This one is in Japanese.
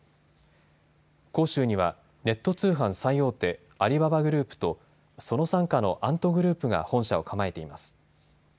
杭州にはネット通販最大手、アリババグループとその傘下のアントグループが本社を構えています。